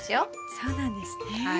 そうなんですね。